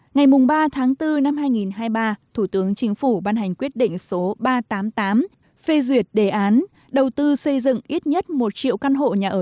ngày ba bốn hai nghìn hai mươi ba thủ tướng chính phủ ban hành quyết định số ba trăm tám mươi tám phê duyệt đề án đầu tư xây dựng ít nhất một triệu căn hộ nhà ở